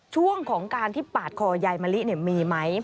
ช่วงของการที่ปาดคอยายมะลิมีไหม